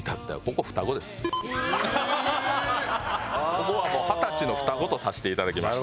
ここはもう２０歳の双子とさせて頂きました。